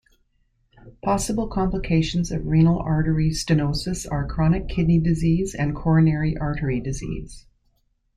Possible complications of renal artery stenosis are chronic kidney disease and coronary artery disease.